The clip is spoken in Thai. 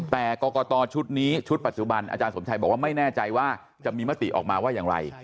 แต่กรกตชุดนี้ชุดปัจจุบันอาจารย์สมชัยบอกว่าไม่แน่ใจว่าจะมีมติออกมาว่าอย่างไร